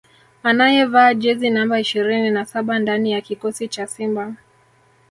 anayevaa jezi namba ishirini na saba ndani ya kikosi cha Simba